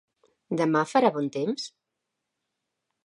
Demà farà bon temps?